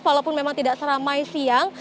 walaupun memang tidak seramai siang